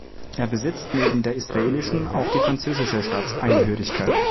Er besitzt neben der israelischen auch die französische Staatsangehörigkeit.